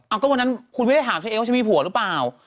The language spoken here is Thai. เอาก็วันนั้นคุณไม่ได้ถามฉันเองว่าฉันมีผัวหรือเปล่า